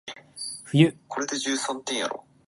勝負だー！